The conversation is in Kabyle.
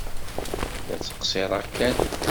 La ttqeṣṣiṛeɣ kan.